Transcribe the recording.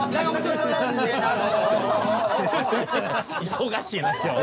忙しいな今日。